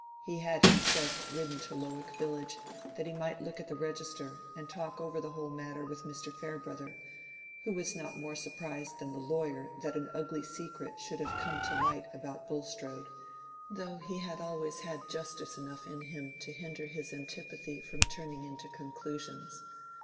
He had himself ridden to Lowick village that he might look at the register and talk over the whole matter with Mr. Farebrother, who was not more surprised than the lawyer that an ugly secret should have come to light about Bulstrode, though he had always had justice enough in him to hinder his antipathy from turning into conclusions.